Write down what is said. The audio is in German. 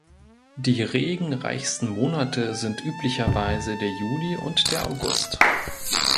Die regenreichsten Monate sind üblicherweise der Juli und der August.